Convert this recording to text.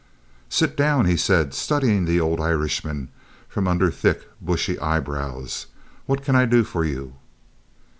"Sit down," he said, studying the old Irishman from under thick, bushy eyebrows. "What can I do for you?"